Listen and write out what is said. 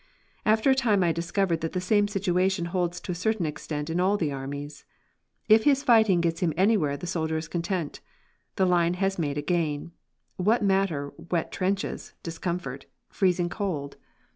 After a time I discovered that the same situation holds to a certain extent in all the armies. If his fighting gets him anywhere the soldier is content. The line has made a gain. What matter wet trenches, discomfort, freezing cold?